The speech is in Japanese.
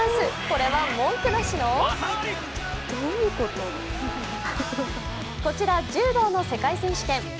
これは文句なしのこちら、柔道の世界選手権。